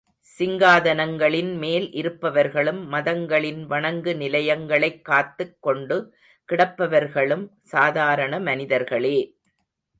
சிங்காதனங்களின் மேல் இருப்பவர்களும், மதங்களின் வணங்கு நிலையங்களைக் காத்துக் கொண்டு கிடப்பவர்களும் சாதாரண மனிதர்களே!